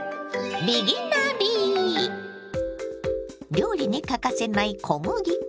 料理に欠かせない小麦粉。